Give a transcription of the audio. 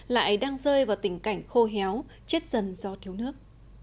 lại đang rơi vào tình cảnh khô héo chết dần do thiếu nước